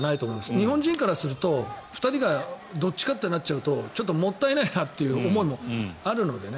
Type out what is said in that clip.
日本人からすると２人がどっちかとなっちゃうともったいないなという思いもあるのでね。